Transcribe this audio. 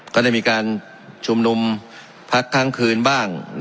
ก็ได้มีการชุมนุมพักทั้งคืนบ้าง